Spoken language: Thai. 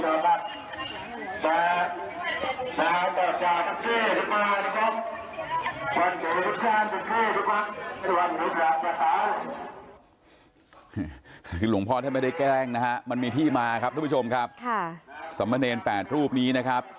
ยหรือขือหลวงพ่อท่านไม่ได้แกล้งนะฮะมันมีพี่มาครับตัวประชมครับค่ะสามเมินแปดรูปนี้นะครับ